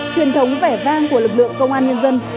truyền thống vẻ vang của lực lượng công an nhân dân